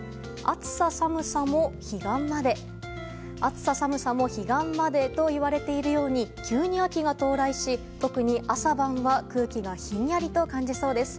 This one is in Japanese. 暑さ寒さも彼岸までといわれているように急に秋が到来し、特に朝晩は空気がひんやりと感じそうです。